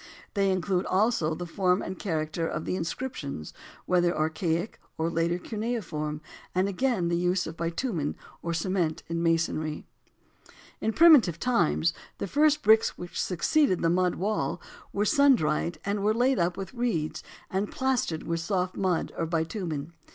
They include also the form and character of the inscriptions, whether archaic or later cuneiform, and again the use of bitumen or cement in masonry. In primitive times the first bricks which succeeded the mud wall were sun dried and were laid up with reeds and plastered with soft mud or bitumen.